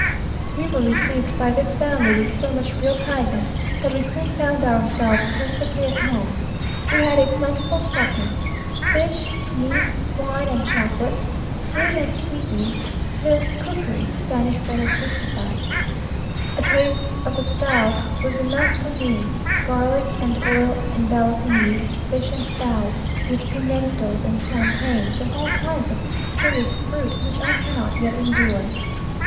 We were received by this family with so much real kindness, that we soon found ourselves perfectly at home. We had a plentiful supper fish, meat, wine, and chocolate, fruit and sweetmeats; the cookery, Spanish Vera Cruzified. A taste of the style was enough for me, garlic and oil enveloping meat, fish, and fowl, with pimentos and plantains, and all kinds of curious fruit, which I cannot yet endure.